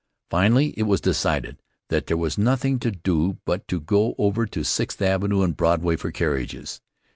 Finally, it was decided that there was nothing to do but to go over to Sixth Avenue and Broadway for carriages.